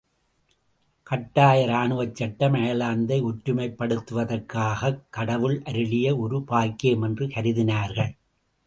கட்டாய ராணுவச்சட்டம் அயர்லாந்தை ஒற்றுமைப்படுத்துவதற்காகக் கடவுள் அருளிய ஒரு பாக்கியம் என்று கருதினார்கள்.